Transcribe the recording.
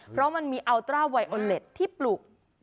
เพราะมันมีอัลตราไวโอเล็ตที่ปลูก